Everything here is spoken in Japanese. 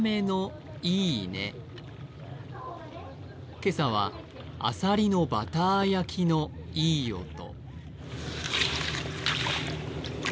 今朝はあさりのバター焼きのいい音。